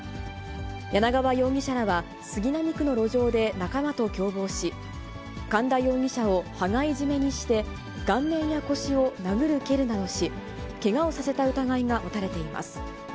柳川容疑者らは、杉並区の路上で仲間と共謀し、寒田容疑者を羽交い絞めにして、顔面や腰を殴る蹴るなどし、けがをさせた疑いが持たれています。